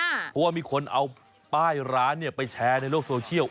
เพราะว่ามีคนเอาป้ายร้านไปแชร์ในโลกโซเชียล